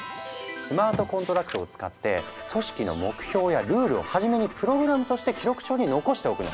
「スマートコントラクト」を使って組織の目標やルールをはじめにプログラムとして記録帳に残しておくの。